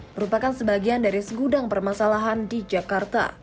merupakan sebagian dari segudang permasalahan di jakarta